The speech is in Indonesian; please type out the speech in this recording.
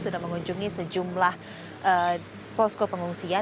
sudah mengunjungi sejumlah posko pengungsian